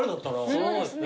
そうですね。